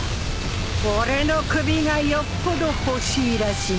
俺の首がよっぽど欲しいらしいな。